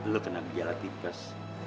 lu kena gilatipus